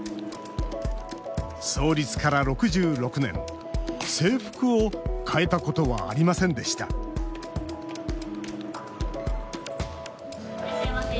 創立から６６年制服を変えたことはありませんでしたいらっしゃいませ。